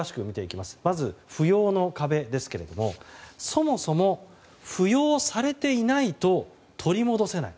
まず扶養の壁ですがそもそも、扶養されていないと取り戻せない。